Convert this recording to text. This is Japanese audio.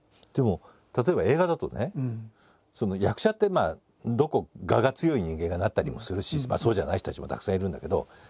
でも例えば映画だとね役者ってどっか我が強い人間がなったりもするしまあそうじゃない人たちもたくさんいるんだけど。